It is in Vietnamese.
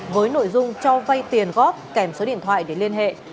với nội dung cho vay tiền góp kèm số điện thoại để liên hệ